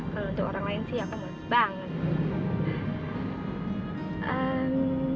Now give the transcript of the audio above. kalau untuk orang lain sih aku banget